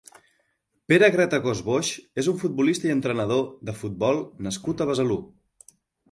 Pere Gratacòs Boix és un futbolista i entrenador de futbol nascut a Besalú.